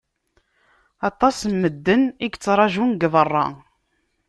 Aṭas n medden i yettrajun deg berra.